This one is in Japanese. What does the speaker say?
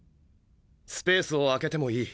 スペースを空けてもいい。